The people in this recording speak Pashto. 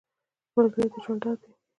ملګری د ژوند ډاډ وي